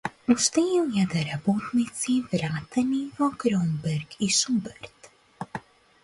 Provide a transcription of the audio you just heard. Уште илјада работници вратени во „Кромберг и Шуберт“